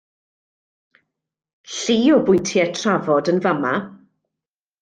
Llu o bwyntiau trafod yn fama.